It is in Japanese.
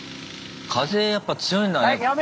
風やっぱ強いんだね。